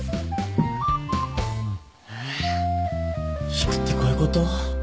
「引く」ってこういうこと？